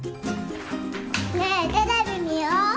ねえテレビ見よう。